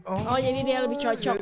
oh oh jadi dia lebih cocok